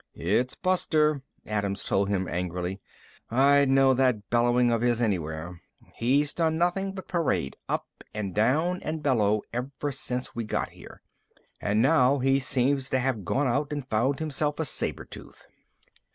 "It's Buster," Adams told him angrily. "I'd know that bellowing of his anywhere. He's done nothing but parade up and down and bellow ever since we got here. And now he seems to have gone out and found himself a saber tooth."